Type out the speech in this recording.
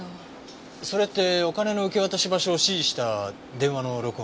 それってお金の受け渡し場所を指示した電話の録音？